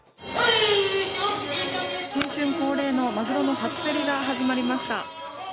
新春恒例のまぐろの初競りが始まりました。